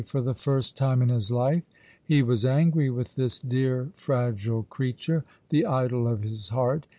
For the first time in his life he was angry with this dear fragile creature, the idol of his heart.